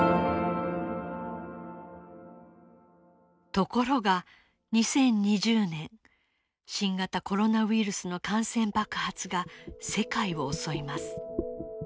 ところが２０２０年新型コロナウイルスの感染爆発が世界を襲います。